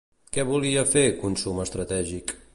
Què volia fer "Consum estratègic"?